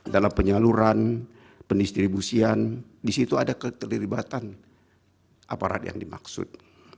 dalam penyaluran pendistribusian di situ ada keterlibatan aparat yang dimaksud